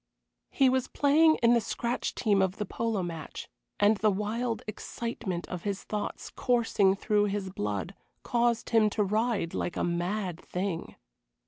He was playing in the scratch team of the polo match, and the wild excitement of his thoughts, coursing through his blood, caused him to ride like a mad thing.